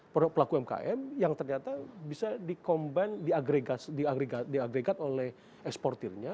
produk pelaku mkm yang ternyata bisa di combine di aggregate oleh eksportirnya